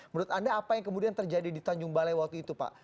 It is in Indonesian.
menurut anda apa yang kemudian terjadi di tanjung balai waktu itu pak